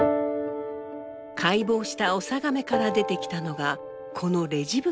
解剖したオサガメから出てきたのがこのレジ袋。